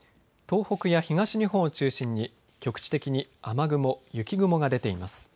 東北や東日本を中心に局地的に雨雲、雪雲が出ています。